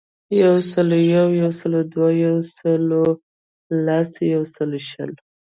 یوسلویو, یوسلودوه, یوسلولس, یوسلوشل